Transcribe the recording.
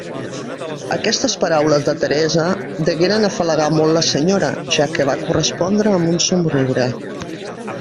Aquestes paraules de Teresa degueren afalagar molt la senyora, ja que va correspondre amb un somriure.